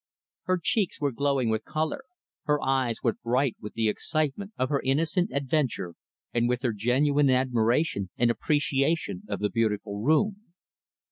Her cheeks were glowing with color; her eyes were bright with the excitement of her innocent adventure, and with her genuine admiration and appreciation of the beautiful room.